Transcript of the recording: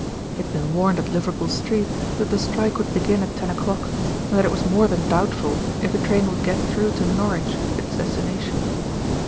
He had been warned at Liverpool Street that the strike would begin at ten o'clock, and that it was more than doubtful if the train would get through to Norwich, its destination.